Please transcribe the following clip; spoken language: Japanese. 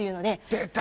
出た！